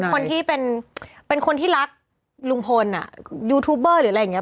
คนที่เป็นคนที่รักลุงพลยูทูบเบอร์หรืออะไรอย่างนี้